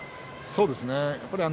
そうですね。